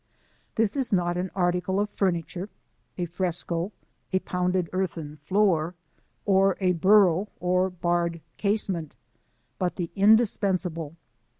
This is not an article of furniture, a fresco, a pounded earthen floor, or a burro or barred c.isement, but the in dispensable.